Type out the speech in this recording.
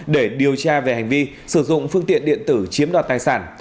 để điều tra về hành vi sử dụng phương tiện điện tử chiếm đoạt tài sản